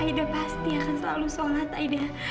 ida pasti akan selalu sholat aida